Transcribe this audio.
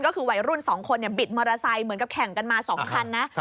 ก็คือวัยรุ่น๒คนบิดมอเตอร์ไซค์เหมือนกับแข่งกันมา๒คันนะ